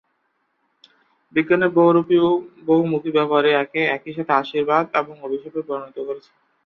বিজ্ঞানের বহুরূপী ও বহুমূখী ব্যবহারই একে একই সাথে আশীর্বাদ এবং অভিশাপে পরিণত করেছে।